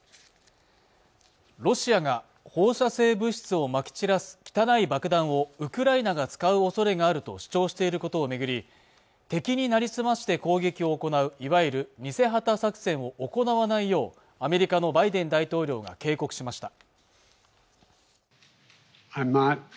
ロシアが放射性物質をまき散らす汚い爆弾をウクライナが使う恐れがあると主張していることを巡り敵になりすまして攻撃を行ういわゆる偽旗作戦を行わないようアメリカのバイデン大統領が警告しました